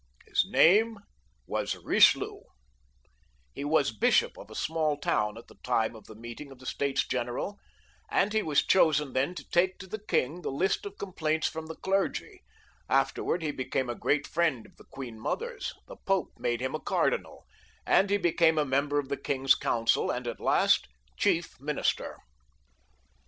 His name was Eichelieu ; he was bishop of a small tpwn at the time of the meeting of the States General ; and he was chosen then to take up to the king the list of complaints from the clergy ; afterwards he became a great friend of the queen mother's, the Pope made him a cardinal, and he becamjB a member of the king's council, and at last chief minister.